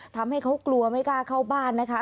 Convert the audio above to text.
ทำให้เขากลัวไม่กล้าเข้าบ้านนะคะ